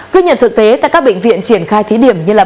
ghi nhận thực tế tại các bệnh viện triển khai thí điểm như là